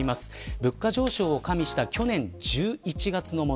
物価上昇を加味した去年１１月のもの。